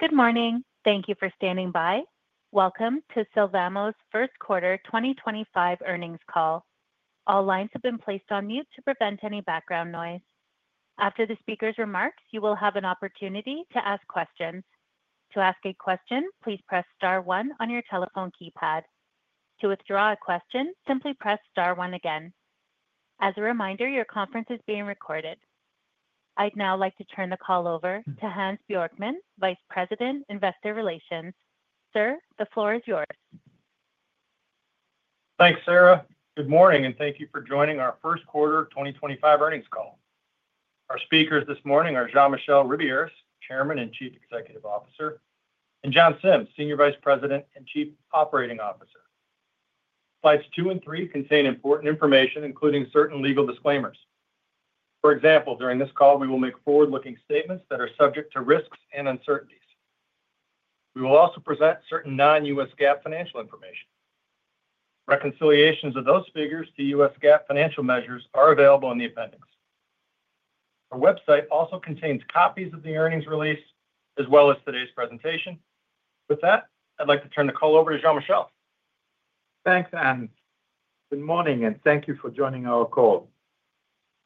Good morning. Thank you for standing by. Welcome to Sylvamo's First Quarter 2025 Earnings Call. All lines have been placed on mute to prevent any background noise. After the speaker's remarks, you will have an opportunity to ask questions. To ask a question, please press star one on your telephone keypad. To withdraw a question, simply press star one again. As a reminder, your conference is being recorded. I'd now like to turn the call over to Hans Bjorkman, Vice President, Investor Relations. Sir, the floor is yours. Thanks, Sarah. Good morning, and thank you for joining our first quarter 2025 earnings call. Our speakers this morning are Jean-Michel Ribiéras, Chairman and Chief Executive Officer, and John Sims, Senior Vice President and Chief Operating Officer. Slides two and three contain important information, including certain legal disclaimers. For example, during this call, we will make forward-looking statements that are subject to risks and uncertainties. We will also present certain non-U.S. GAAP financial information. Reconciliations of those figures to U.S. GAAP financial measures are available in the appendix. Our website also contains copies of the earnings release as well as today's presentation. With that, I'd like to turn the call over to Jean-Michel. Thanks, Hans. Good morning, and thank you for joining our call.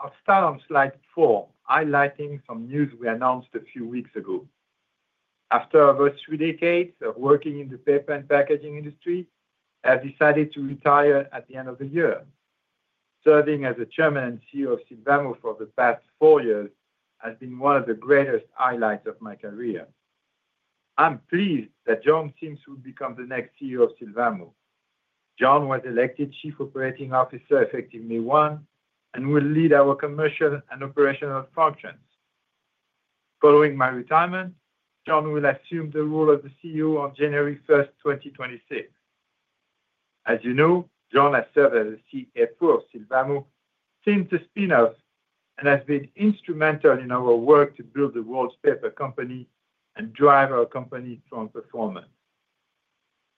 I'll start on slide four, highlighting some news we announced a few weeks ago. After over three decades of working in the paper and packaging industry, I've decided to retire at the end of the year. Serving as the Chairman and CEO of Sylvamo for the past four years has been one of the greatest highlights of my career. I'm pleased that John Sims will become the next CEO of Sylvamo. John was elected Chief Operating Officer effective May 1 and will lead our commercial and operational functions. Following my retirement, John will assume the role of the CEO on January 1st, 2026. As you know, John has served as the CFO of Sylvamo, since the spinoff, and has been instrumental in our work to build the world's paper company and drive our company's strong performance.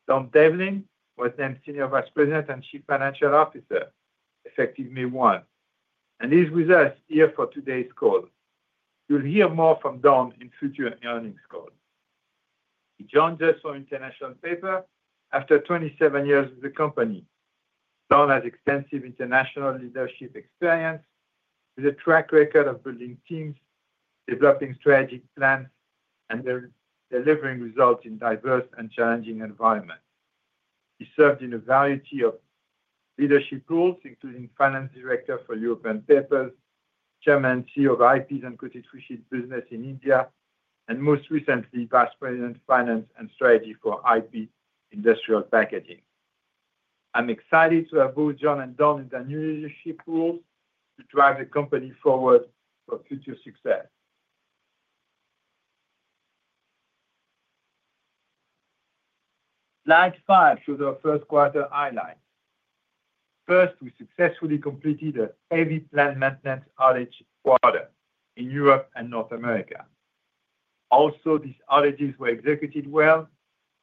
Don Devlin was named Senior Vice President and Chief Financial Officer effective May 1, and he's with us here for today's call. You'll hear more from Don in future earnings calls. John joined us from International Paper after 27 years with the company. Don has extensive international leadership experience with a track record of building teams, developing strategic plans, and delivering results in diverse and challenging environments. He served in a variety of leadership roles, including Finance Director for European Papers, Chairman and CEO of IP's uncoated freesheet business in India, and most recently, Vice President of Finance and Strategy for IP Industrial Packaging. I'm excited to have both John and Don in their new leadership roles to drive the company forward for future success. Slide five shows our first quarter highlights. First, we successfully completed a heavy plant maintenance outage quarter in Europe and North America. Also, these outages were executed well.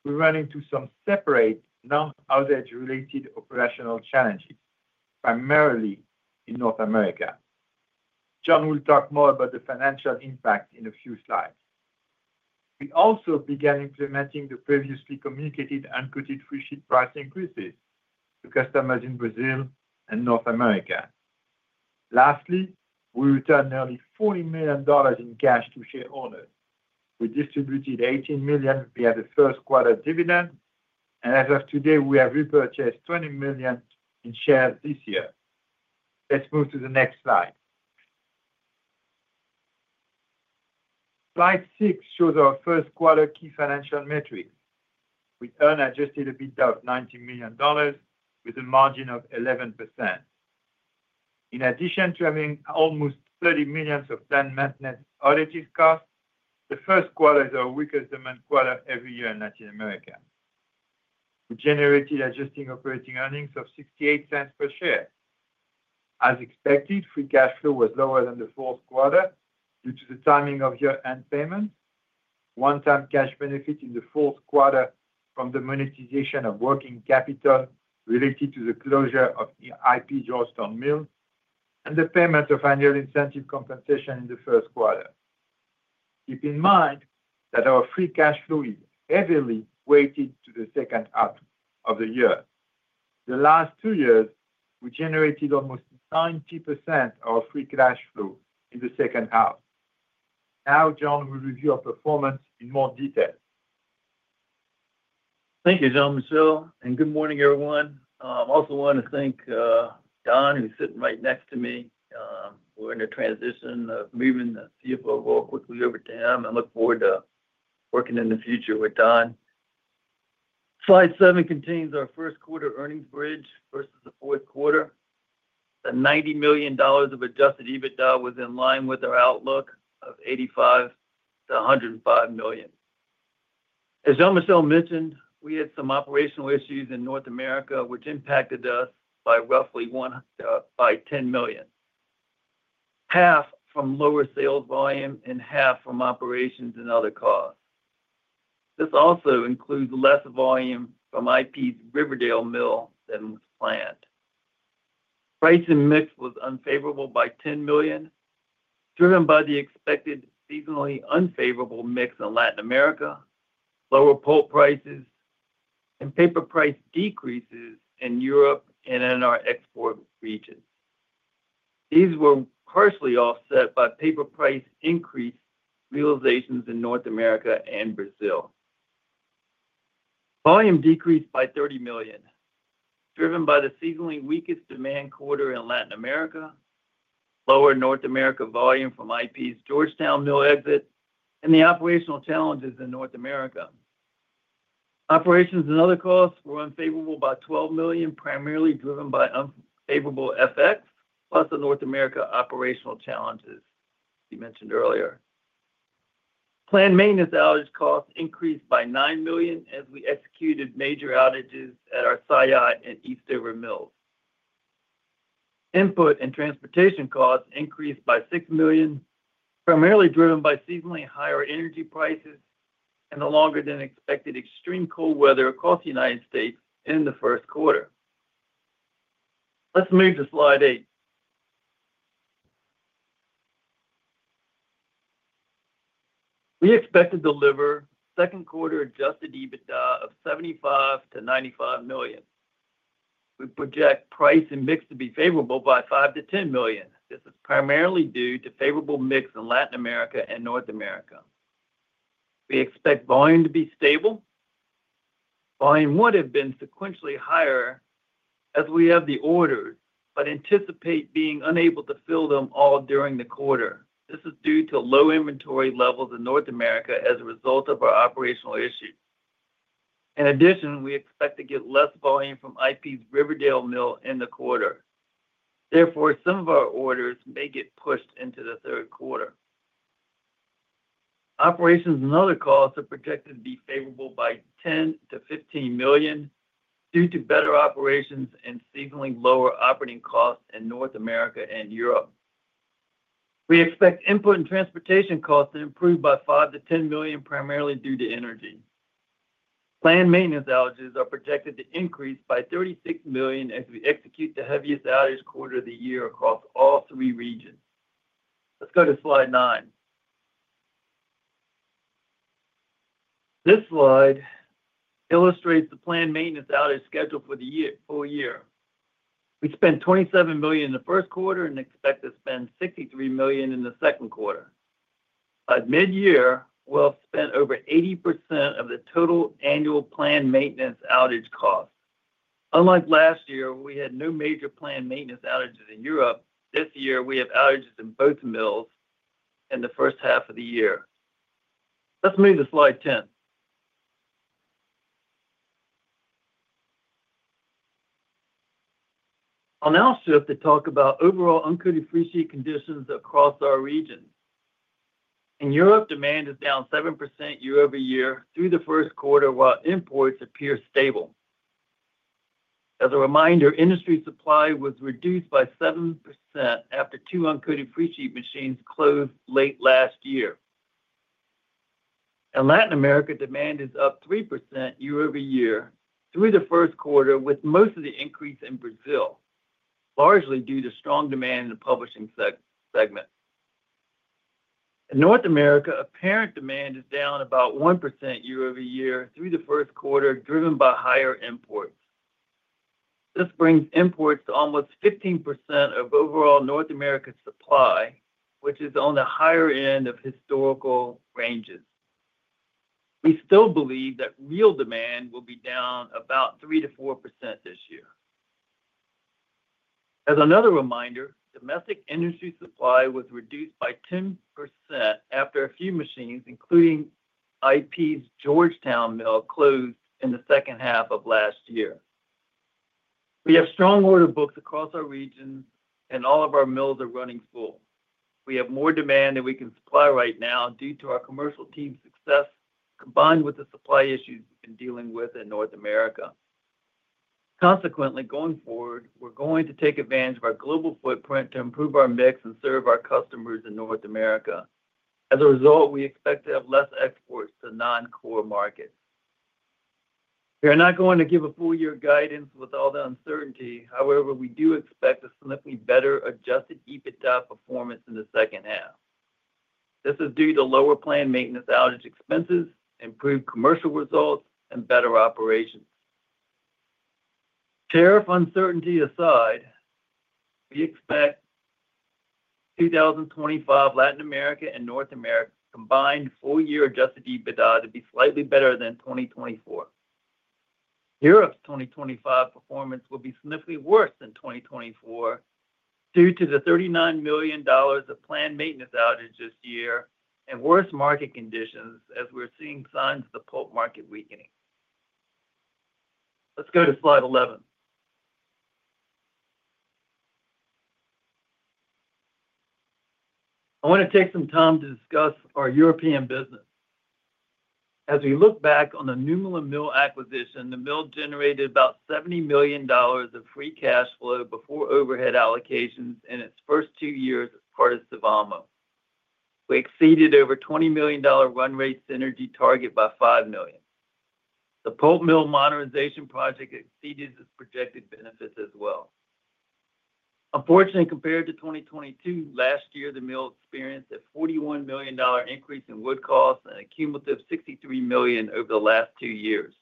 We ran into some separate non-outage-related operational challenges, primarily in North America. John will talk more about the financial impact in a few slides. We also began implementing the previously communicated uncoated freesheet price increases to customers in Brazil and North America. Lastly, we returned nearly $40 million in cash to shareholders. We distributed $18 million via the first quarter dividend, and as of today, we have repurchased $20 million in shares this year. Let's move to the next slide. Slide six shows our first quarter key financial metrics. We earned adjusted EBITDA of $90 million with a margin of 11%. In addition to having almost $30 million of plant maintenance outages cost, the first quarter is our weakest demand quarter every year in Latin America. We generated adjusted operating earnings of $0.68 per share. As expected, free cash flow was lower than the fourth quarter due to the timing of year-end payments, one-time cash benefit in the fourth quarter from the monetization of working capital related to the closure of IP Georgetown Mills, and the payment of annual incentive compensation in the first quarter. Keep in mind that our free cash flow is heavily weighted to the second half of the year. The last two years, we generated almost 90% of our free cash flow in the second half. Now, John, we'll review our performance in more detail. Thank you, Jean-Michel, and good morning, everyone. I also want to thank Don, who's sitting right next to me. We're in a transition of moving the CFO role quickly over to him, and I look forward to working in the future with Don. Slide seven contains our first quarter earnings bridge versus the fourth quarter. The $90 million of adjusted EBITDA was in line with our outlook of $85 million - $105 million. As Jean-Michel mentioned, we had some operational issues in North America, which impacted us by roughly $10 million, half from lower sales volume and half from operations and other costs. This also includes less volume from IP Riverdale Mill than was planned. Pricing mix was unfavorable by $10 million, driven by the expected seasonally unfavorable mix in Latin America, lower pulp prices, and paper price decreases in Europe and in our export regions. These were partially offset by paper price increase realizations in North America and Brazil. Volume decreased by $30 million, driven by the seasonally weakest demand quarter in Latin America, lower North America volume from IP's Georgetown Mill exit, and the operational challenges in North America. Operations and other costs were unfavorable by $12 million, primarily driven by unfavorable effects plus the North America operational challenges we mentioned earlier. Plant maintenance outage costs increased by $9 million as we executed major outages at our Saillat and Eastover Mills. Input and transportation costs increased by $6 million, primarily driven by seasonally higher energy prices and the longer-than-expected extreme cold weather across the United States in the first quarter. Let's move to slide eight. We expect to deliver second quarter adjusted EBITDA of $75 million - $95 million. We project price and mix to be favorable by $5 million - $10 million. This is primarily due to favorable mix in Latin America and North America. We expect volume to be stable. Volume would have been sequentially higher as we have the orders, but anticipate being unable to fill them all during the quarter. This is due to low inventory levels in North America as a result of our operational issues. In addition, we expect to get less volume from IP's Riverdale Mill in the quarter. Therefore, some of our orders may get pushed into the third quarter. Operations and other costs are projected to be favorable by $10 million - $15 million due to better operations and seasonally lower operating costs in North America and Europe. We expect input and transportation costs to improve by $5 million - $10 million, primarily due to energy. Plant maintenance outages are projected to increase by $36 million as we execute the heaviest outage quarter of the year across all three regions. Let's go to slide nine. This slide illustrates the plant maintenance outage schedule for the full year. We spent $27 million in the first quarter and expect to spend $63 million in the second quarter. By mid-year, we'll have spent over 80% of the total annual plant maintenance outage costs. Unlike last year, we had no major plant maintenance outages in Europe. This year, we have outages in both mills in the first half of the year. Let's move to slide ten. I'll now shift to talk about overall uncoated freesheet conditions across our region. In Europe, demand is down 7% year-over-year through the first quarter, while imports appear stable. As a reminder, industry supply was reduced by 7% after two uncoated freesheet machines closed late last year. In Latin America, demand is up 3% year-over-year through the first quarter, with most of the increase in Brazil, largely due to strong demand in the publishing segment. In North America, apparent demand is down about 1% year-over-year through the first quarter, driven by higher imports. This brings imports to almost 15% of overall North America supply, which is on the higher end of historical ranges. We still believe that real demand will be down about 3% - 4% this year. As another reminder, domestic industry supply was reduced by 10% after a few machines, including IP's Georgetown Mill, closed in the second half of last year. We have strong order books across our region, and all of our mills are running full. We have more demand than we can supply right now due to our commercial team's success, combined with the supply issues we've been dealing with in North America. Consequently, going forward, we're going to take advantage of our global footprint to improve our mix and serve our customers in North America. As a result, we expect to have less exports to non-core markets. We are not going to give a full-year guidance with all the uncertainty. However, we do expect a slightly better adjusted EBITDA performance in the second half. This is due to lower plant maintenance outage expenses, improved commercial results, and better operations. Tariff uncertainty aside, we expect 2025 Latin America and North America combined full-year adjusted EBITDA to be slightly better than 2024. Europe's 2025 performance will be significantly worse than 2024 due to the $39 million of plant maintenance outage this year and worse market conditions as we're seeing signs of the pulp market weakening. Let's go to slide 11. I want to take some time to discuss our European business. As we look back on the Nymölla Mill acquisition, the mill generated about $70 million of free cash flow before overhead allocations in its first two years as part of Sylvamo. We exceeded over $20 million run rate synergy target by $5 million. The pulp mill modernization project exceeded its projected benefits as well. Unfortunately, compared to 2022, last year, the mill experienced a $41 million increase in wood costs and a cumulative $63 million over the last two years.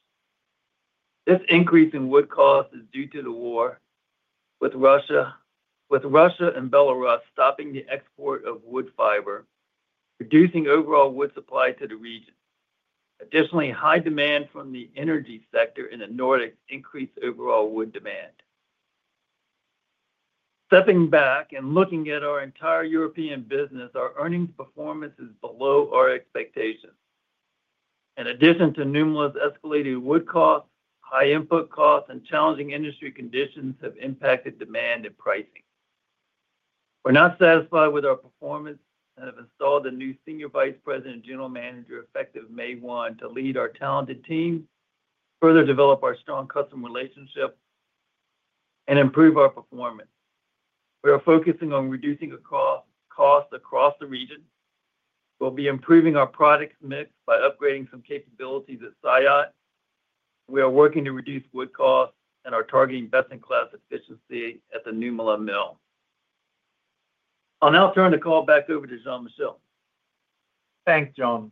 This increase in wood costs is due to the war with Russia, with Russia and Belarus stopping the export of wood fiber, reducing overall wood supply to the region. Additionally, high demand from the energy sector in the Nordics increased overall wood demand. Stepping back and looking at our entire European business, our earnings performance is below our expectations. In addition to Nymölla's escalated wood costs, high input costs, and challenging industry conditions have impacted demand and pricing. We're not satisfied with our performance and have installed a new Senior Vice President and General Manager effective May 1 to lead our talented team, further develop our strong customer relationship, and improve our performance. We are focusing on reducing costs across the region. We'll be improving our product mix by upgrading some capabilities at Saillat. We are working to reduce wood costs and are targeting best-in-class efficiency at the Nymölla Mill. I'll now turn the call back over to Jean-Michel. Thanks, John.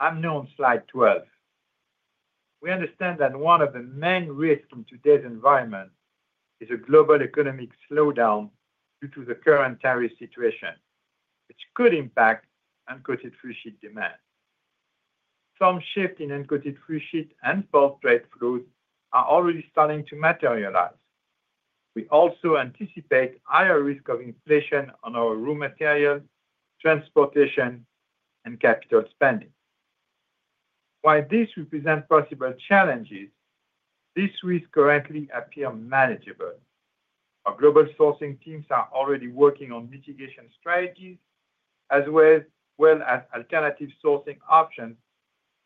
I'm new on slide 12. We understand that one of the main risks in today's environment is a global economic slowdown due to the current tariff situation, which could impact uncoated freesheet demand. Some shift in uncoated freesheet and pulp trade flows are already starting to materialize. We also anticipate higher risk of inflation on our raw materials, transportation, and capital spending. While these represent possible challenges, these risks currently appear manageable. Our global sourcing teams are already working on mitigation strategies as well as alternative sourcing options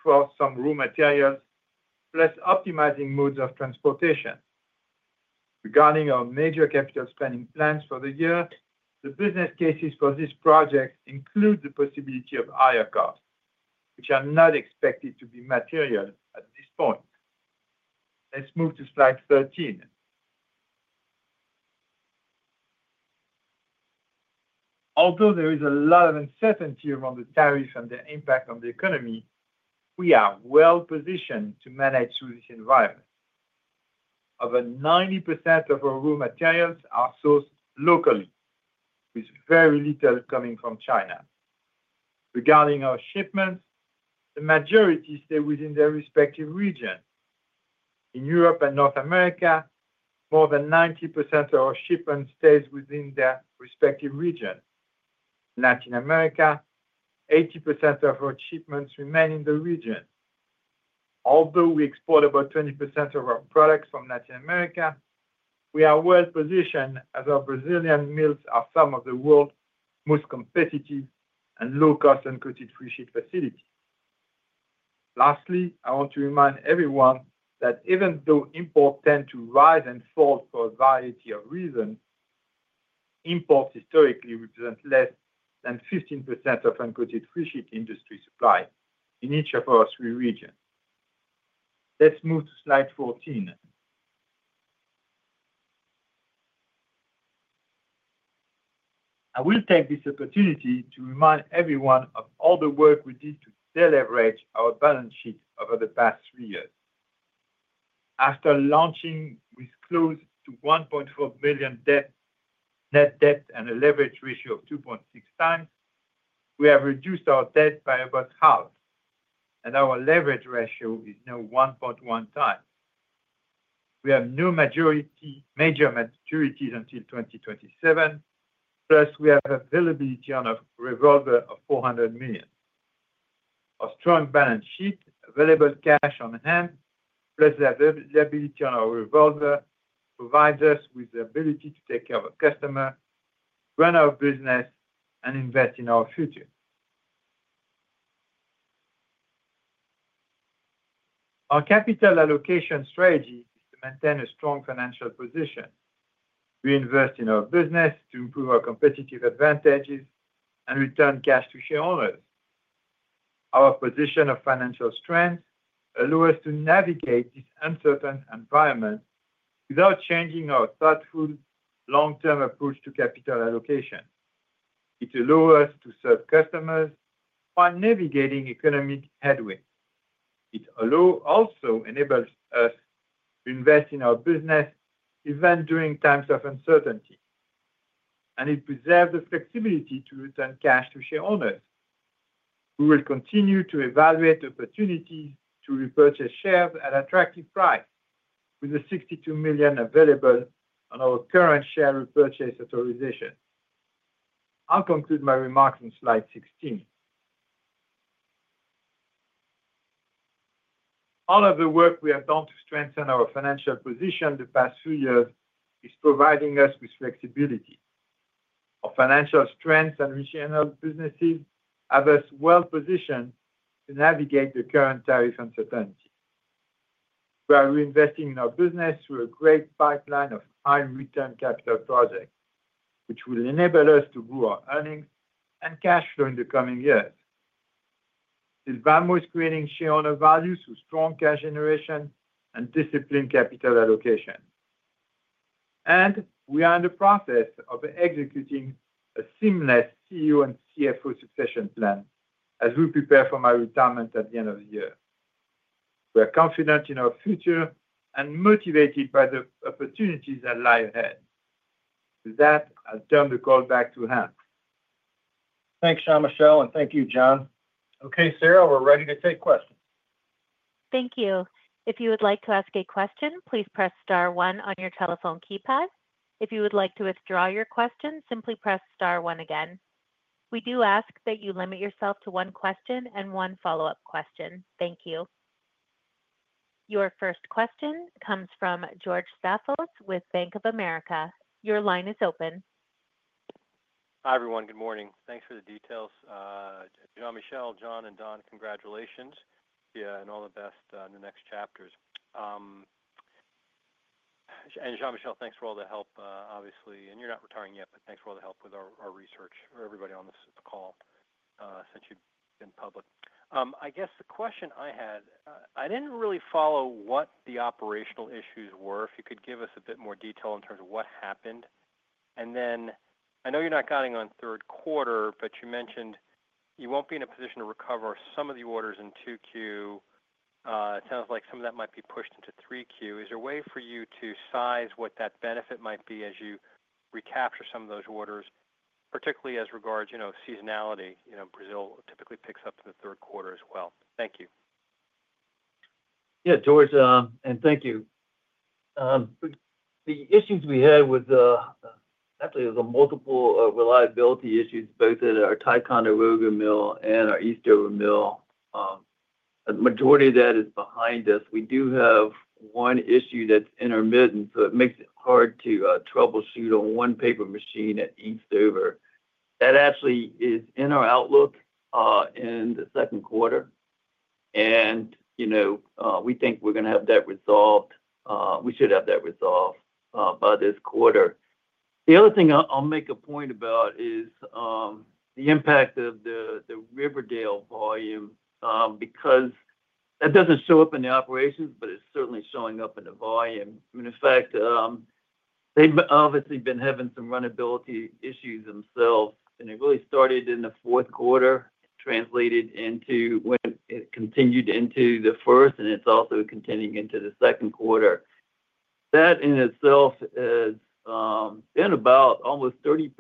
for some raw materials, plus optimizing modes of transportation. Regarding our major capital spending plans for the year, the business cases for this project include the possibility of higher costs, which are not expected to be material at this point. Let's move to slide 13. Although there is a lot of uncertainty around the tariff and the impact on the economy, we are well-positioned to manage through this environment. Over 90% of our raw materials are sourced locally, with very little coming from China. Regarding our shipments, the majority stay within their respective regions. In Europe and North America, more than 90% of our shipments stay within their respective regions. In Latin America, 80% of our shipments remain in the region. Although we export about 20% of our products from Latin America, we are well-positioned as our Brazilian mills are some of the world's most competitive and low-cost uncoated freesheet facilities. Lastly, I want to remind everyone that even though imports tend to rise and fall for a variety of reasons, imports historically represent less than 15% of uncoated freesheet industry supply in each of our three regions. Let's move to slide 14. I will take this opportunity to remind everyone of all the work we did to deleverage our balance sheet over the past three years. After launching with close to $1.4 billion net debt and a leverage ratio of 2.6x, we have reduced our debt by about half, and our leverage ratio is now 1.1x. We have no major maturities until 2027, plus we have availability on a revolver of $400 million. Our strong balance sheet, available cash on hand, plus the availability on our revolver provides us with the ability to take care of our customers, run our business, and invest in our future. Our capital allocation strategy is to maintain a strong financial position. We invest in our business to improve our competitive advantages and return cash to shareholders. Our position of financial strength allows us to navigate this uncertain environment without changing our thoughtful long-term approach to capital allocation. It allows us to serve customers while navigating economic headwinds. It also enables us to invest in our business even during times of uncertainty, and it preserves the flexibility to return cash to shareholders. We will continue to evaluate opportunities to repurchase shares at attractive prices, with the $62 million available on our current share repurchase authorization. I'll conclude my remarks on slide 16. All of the work we have done to strengthen our financial position the past few years is providing us with flexibility. Our financial strengths and regional businesses have us well-positioned to navigate the current tariff uncertainty. We are reinvesting in our business through a great pipeline of high-return capital projects, which will enable us to grow our earnings and cash flow in the coming years. Sylvamo is creating shareholder value through strong cash generation and disciplined capital allocation. We are in the process of executing a seamless CEO and CFO succession plan as we prepare for my retirement at the end of the year. We are confident in our future and motivated by the opportunities that lie ahead. With that, I'll turn the call back to Hans. Thanks, Jean-Michel, and thank you, John. Okay, Sarah, we're ready to take questions. Thank you. If you would like to ask a question, please press star one on your telephone keypad. If you would like to withdraw your question, simply press star one again. We do ask that you limit yourself to one question and one follow-up question. Thank you. Your first question comes from George Staphos with Bank of America. Your line is open. Hi, everyone. Good morning. Thanks for the details. Jean-Michel, John, and Don, congratulations. Yeah, and all the best in the next chapters. Jean-Michel, thanks for all the help, obviously. You're not retiring yet, but thanks for all the help with our research for everybody on this call since you've been public. I guess the question I had, I didn't really follow what the operational issues were. If you could give us a bit more detail in terms of what happened. I know you're not counting on third quarter, but you mentioned you won't be in a position to recover some of the orders in 2Q. It sounds like some of that might be pushed into 3Q. Is there a way for you to size what that benefit might be as you recapture some of those orders, particularly as regards seasonality? Brazil typically picks up in the third quarter as well. Thank you. Yeah, George, and thank you. The issues we had with actually the multiple reliability issues, both at our Ticonderoga mill and our Eastover mill, the majority of that is behind us. We do have one issue that's intermittent, so it makes it hard to troubleshoot on one paper machine at Eastover. That actually is in our outlook in the second quarter, and we think we're going to have that resolved. We should have that resolved by this quarter. The other thing I'll make a point about is the impact of the Riverdale volume because that doesn't show up in the operations, but it's certainly showing up in the volume. I mean, in fact, they've obviously been having some runnability issues themselves, and it really started in the fourth quarter, translated into when it continued into the first, and it's also continuing into the second quarter. That in itself has been about almost 30%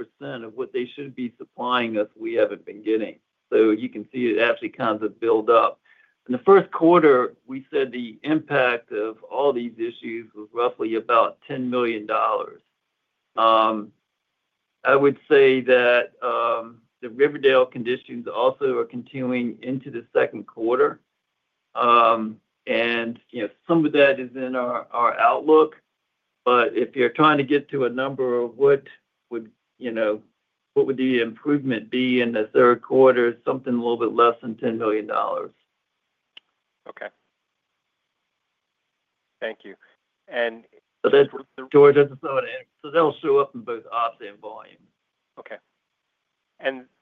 of what they should be supplying us we haven't been getting. You can see it actually kind of builds up. In the first quarter, we said the impact of all these issues was roughly about $10 million. I would say that the Riverdale conditions also are continuing into the second quarter, and some of that is in our outlook. If you're trying to get to a number of what would the improvement be in the third quarter, something a little bit less than $10 million. Okay. Thank you. That's the, George, that's the thought. That'll show up in both ops and volume. Okay.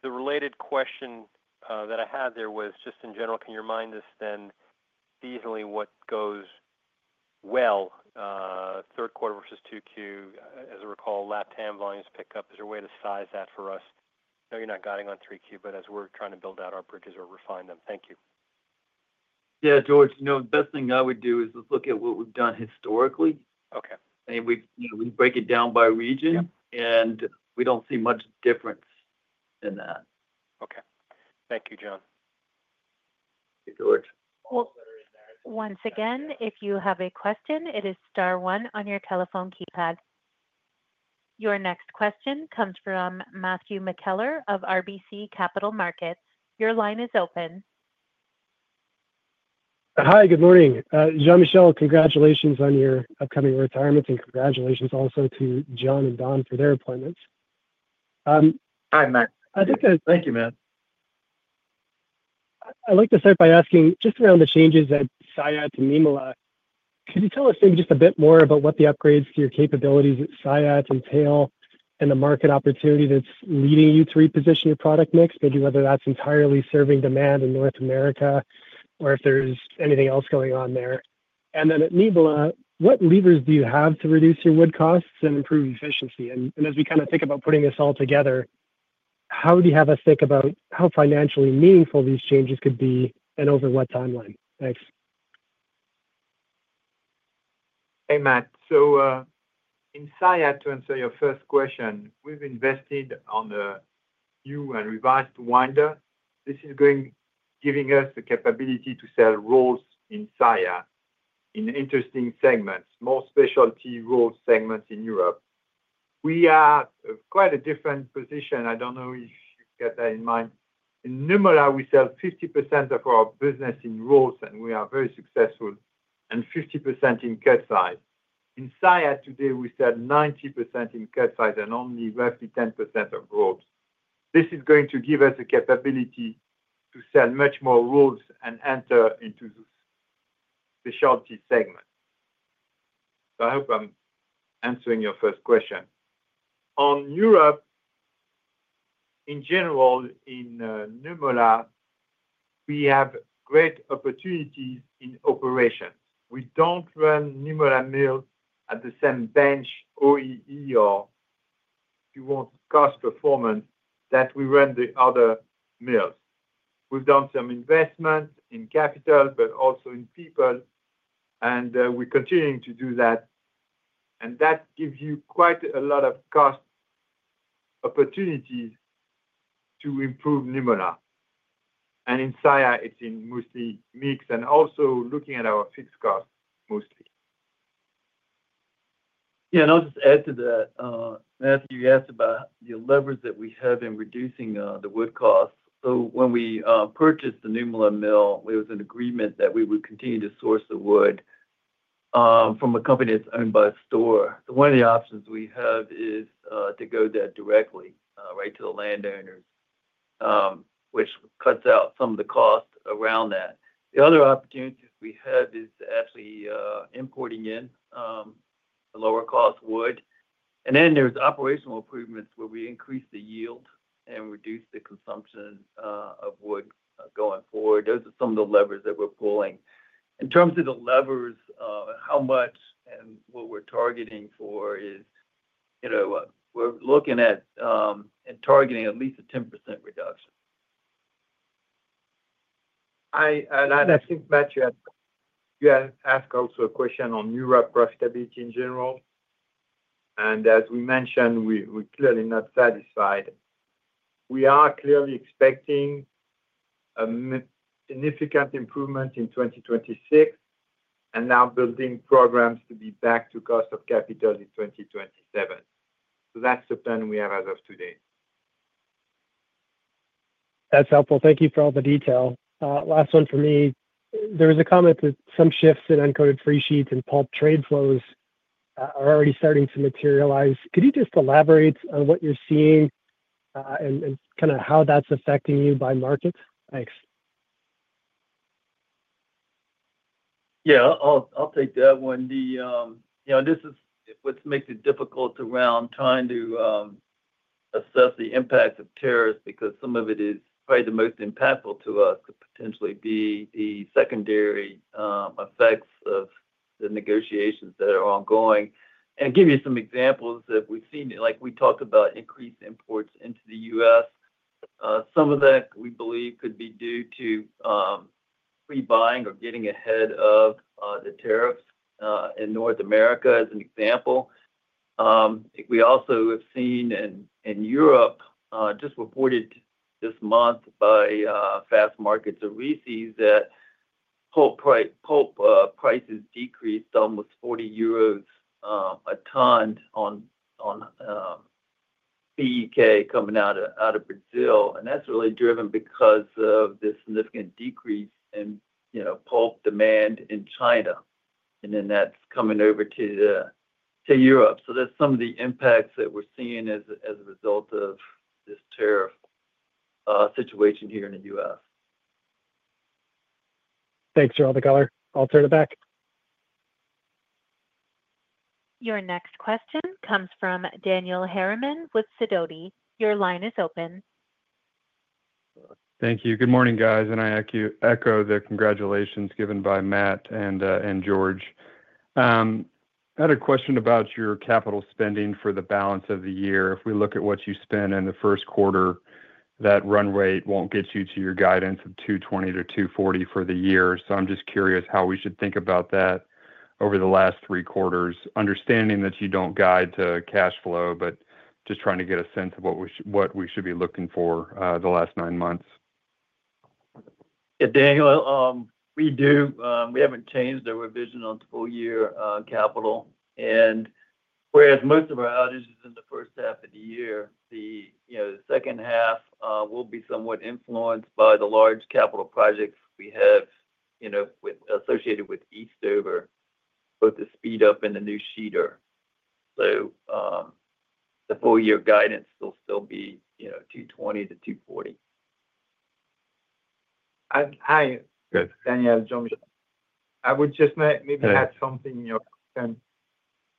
The related question that I had there was just in general, can you remind us then seasonally what goes well, third quarter versus 2Q? As I recall, LATAM volumes pick up. Is there a way to size that for us? I know you're not guiding on 3Q, but as we're trying to build out our bridges or refine them. Thank you. Yeah, George, the best thing I would do is look at what we've done historically. We break it down by region, and we don't see much difference in that. Okay. Thank you, John. Thank you, George. Once again, if you have a question, it is star one on your telephone keypad. Your next question comes from Matthew McKellar of RBC Capital Markets. Your line is open. Hi, good morning. Jean-Michel, congratulations on your upcoming retirement, and congratulations also to John and Don for their appointments. Hi, Matt. Thank you, Matt. I'd like to start by asking just around the changes at Saillat and Nymölla. Could you tell us maybe just a bit more about what the upgrades to your capabilities at Saillat entail and the market opportunity that's leading you to reposition your product mix, maybe whether that's entirely serving demand in North America or if there's anything else going on there? At Nymölla, what levers do you have to reduce your wood costs and improve efficiency? As we kind of think about putting this all together, how do you have us think about how financially meaningful these changes could be and over what timeline? Thanks. Hey, Matt. In Saillat, to answer your first question, we've invested in a new and revised winder. This is giving us the capability to sell rolls in Saillat in interesting segments, more specialty roll segments in Europe. We are in quite a different position. I don't know if you've got that in mind. In Nymölla, we sell 50% of our business in rolls, and we are very successful, and 50% in cut-size. In Saillat today, we sell 90% in cut-size and only roughly 10% of rolls. This is going to give us the capability to sell much more rolls and enter into the specialty segment. I hope I'm answering your first question. On Europe, in general, in Nymölla, we have great opportunities in operations. We don't run Nymölla mills at the same benchmark or OEER, if you want cost performance, that we run the other mills. We've done some investment in capital, but also in people, and we're continuing to do that. That gives you quite a lot of cost opportunities to improve Nymölla. In Saillat, it's mostly mix and also looking at our fixed costs mostly. Yeah, I'll just add to that. Matthew, you asked about the levers that we have in reducing the wood costs. When we purchased the Nymölla mill, there was an agreement that we would continue to source the wood from a company that's owned by Stora. One of the options we have is to go there directly, right to the landowners, which cuts out some of the cost around that. The other opportunities we have is actually importing in lower-cost wood. Then there's operational improvements where we increase the yield and reduce the consumption of wood going forward. Those are some of the levers that we're pulling. In terms of the levers, how much and what we're targeting for is we're looking at and targeting at least a 10% reduction. I think, Matt, you asked also a question on Europe profitability in general. As we mentioned, we're clearly not satisfied. We are clearly expecting a significant improvement in 2026 and now building programs to be back to cost of capital in 2027. That is the plan we have as of today. That's helpful. Thank you for all the detail. Last one for me. There was a comment that some shifts in uncoated freesheet and pulp trade flows are already starting to materialize. Could you just elaborate on what you're seeing and kind of how that's affecting you by market? Thanks. Yeah, I'll take that one. This is what makes it difficult around trying to assess the impact of tariffs because some of it is probably the most impactful to us could potentially be the secondary effects of the negotiations that are ongoing. I'll give you some examples that we've seen. We talked about increased imports into the U.S. Some of that we believe could be due to pre-buying or getting ahead of the tariffs in North America as an example. We also have seen in Europe, just reported this month by Fastmarkets we see, that pulp prices decreased almost 40 euros a ton on BEK coming out of Brazil. That's really driven because of this significant decrease in pulp demand in China. That's coming over to Europe. That's some of the impacts that we're seeing as a result of this tariff situation here in the U.S. Thanks, Jean-Michel. I'll turn it back. Your next question comes from Daniel Harriman with Sidoti. Your line is open. Thank you. Good morning, guys. I echo the congratulations given by Matt and George. I had a question about your capital spending for the balance of the year. If we look at what you spend in the first quarter, that run rate will not get you to your guidance of $220 million - $240 million for the year. I am just curious how we should think about that over the last three quarters, understanding that you do not guide to cash flow, but just trying to get a sense of what we should be looking for the last nine months. Yeah, Daniel, we haven't changed our revision on full-year capital. Whereas most of our outings are in the first half of the year, the second half will be somewhat influenced by the large capital projects we have associated with Eastover, both the speed-up and the new sheeter. The full-year guidance will still be $220 million-$240 million. Hi, Daniel, Jean-Michel. I would just maybe add something in your comment.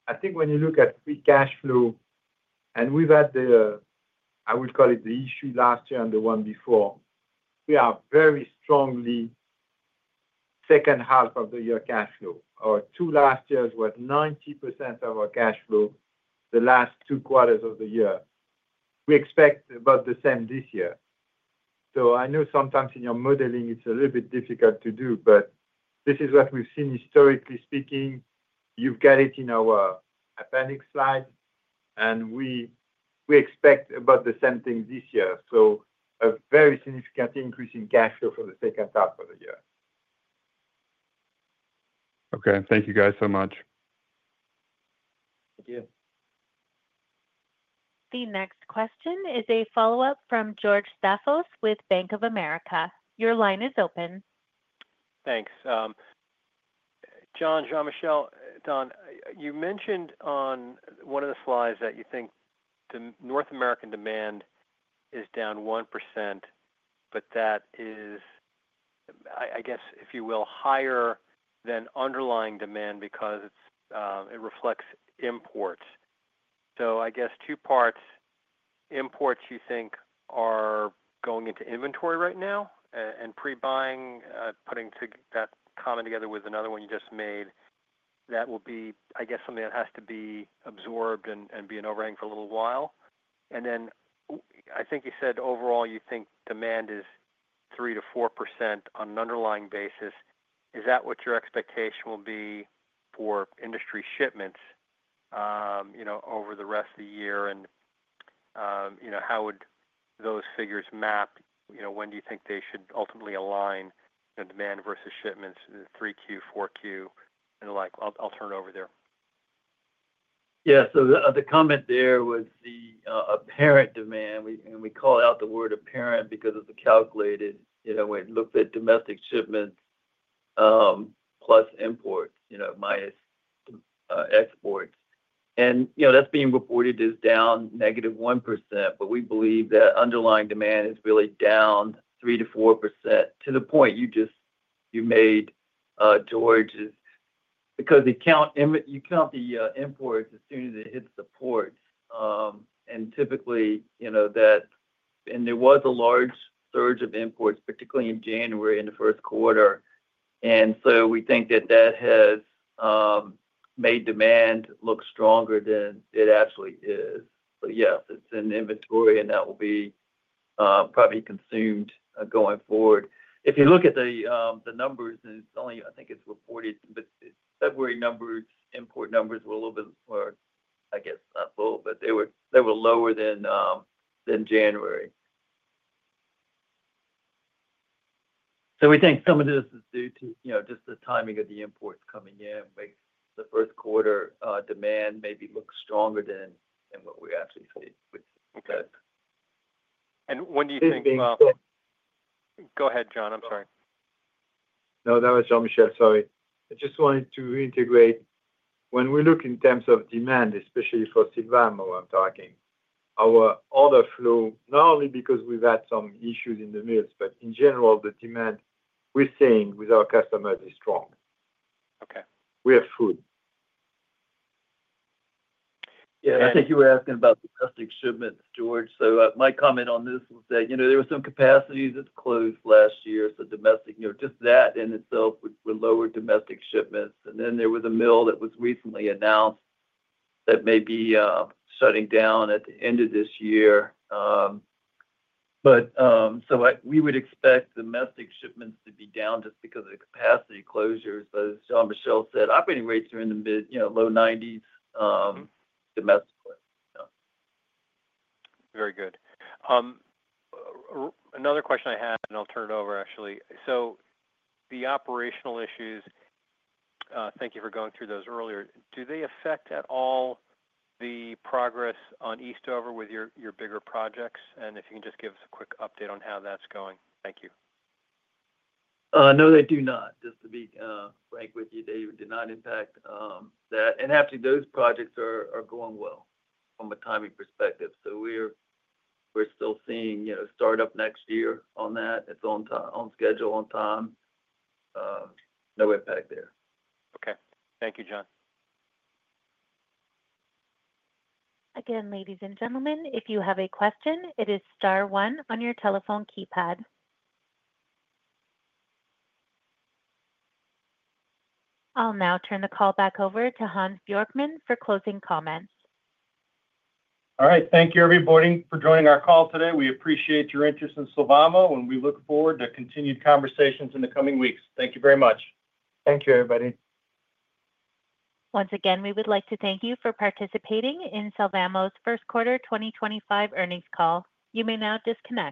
I think when you look at free cash flow, and we've had the, I would call it the issue last year and the one before, we are very strongly second half of the year cash flow. Our two last years were 90% of our cash flow the last two quarters of the year. We expect about the same this year. I know sometimes in your modeling, it's a little bit difficult to do, but this is what we've seen historically speaking. You've got it in our appendix slide, and we expect about the same thing this year. A very significant increase in cash flow for the second half of the year. Okay. Thank you, guys, so much. Thank you. The next question is a follow-up from George Staphos with Bank of America. Your line is open. Thanks. John, Jean-Michel, Don, you mentioned on one of the slides that you think the North American demand is down 1%, but that is, I guess, if you will, higher than underlying demand because it reflects imports. I guess two parts, imports you think are going into inventory right now and pre-buying, putting that comment together with another one you just made, that will be, I guess, something that has to be absorbed and be an overhang for a little while. I think you said overall you think demand is 3% - 4% on an underlying basis. Is that what your expectation will be for industry shipments over the rest of the year? How would those figures map? When do you think they should ultimately align demand versus shipments, 3Q, 4Q, and the like? I'll turn it over there. Yeah. The comment there was the apparent demand. We call out the word apparent because it's calculated when it looks at domestic shipments plus imports minus exports. That's being reported as down 1%, but we believe that underlying demand is really down 3% - 4% to the point you made, George, because you count the imports as soon as it hits the ports. Typically, that, and there was a large surge of imports, particularly in January in the first quarter. We think that has made demand look stronger than it actually is. Yes, it's in inventory, and that will probably be consumed going forward. If you look at the numbers, and it's only, I think it's reported, but February numbers, import numbers were a little bit more, I guess, not full, but they were lower than January. We think some of this is due to just the timing of the imports coming in, which the first quarter demand maybe looks stronger than what we actually see. When do you think—go ahead, John. I'm sorry. No, that was Jean-Michel. Sorry. I just wanted to reintegrate. When we look in terms of demand, especially for Sylvamo, I'm talking, our order flow, not only because we've had some issues in the mills, but in general, the demand we're seeing with our customers is strong. We have food. Yeah, I think you were asking about domestic shipments, George. So my comment on this was that there were some capacities that closed last year. Domestic, just that in itself would lower domestic shipments. There was a mill that was recently announced that may be shutting down at the end of this year. We would expect domestic shipments to be down just because of the capacity closures. As Jean-Michel said, operating rates are in the mid low 90s domestically. Very good. Another question I had, and I'll turn it over, actually. The operational issues, thank you for going through those earlier. Do they affect at all the progress on Eastover with your bigger projects? If you can just give us a quick update on how that's going. Thank you. No, they do not. Just to be frank with you, they did not impact that. Actually, those projects are going well from a timing perspective. We are still seeing startup next year on that. It is on schedule, on time. No impact there. Okay. Thank you, John. Again, ladies and gentlemen, if you have a question, it is star one on your telephone keypad. I'll now turn the call back over to Hans Bjorkman for closing comments. All right. Thank you, everybody, for joining our call today. We appreciate your interest in Sylvamo, and we look forward to continued conversations in the coming weeks. Thank you very much. Thank you, everybody. Once again, we would like to thank you for participating in Sylvamo's First Quarter 2025 Earnings call. You may now disconnect.